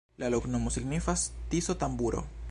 La loknomo signifas: Tiso-tamburo.